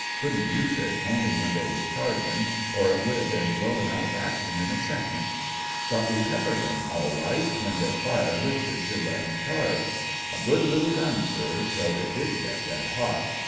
Couldn't use it, only when they was charging, or it would ha' bin Wown out of actic« in a second. But we peppered 'em aE right when tl^u fire Ufted to let 'em ehai^. A good little gun, sir, thou^ it (fid get red hot.